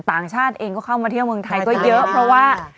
ต่างชาติเองก็เข้ามาเที่ยวเมืองไทยก็เยอะเพราะว่า